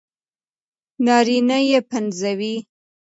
نارينه يې پنځوي